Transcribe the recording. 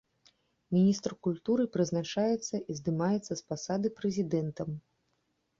Міністр культуры прызначаецца і здымаецца з пасады прэзідэнтам.